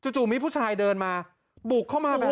จู่มีผู้ชายเดินมาบุกเข้ามาแบบนี้